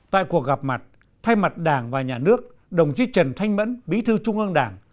tại cuộc gặp mặt thay mặt đảng và nhà nước đồng chí trần thanh mẫn bí thư trung ương đảng